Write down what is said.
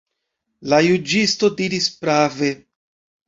La juĝisto diris prave.